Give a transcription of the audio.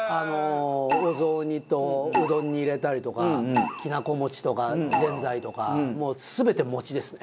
お雑煮とうどんに入れたりとかきなこ餅とかぜんざいとかもう全て餅ですね。